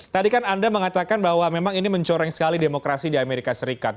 tadi kan anda mengatakan bahwa memang ini mencoreng sekali demokrasi di amerika serikat